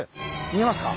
見えますか？